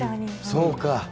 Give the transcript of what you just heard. そうか。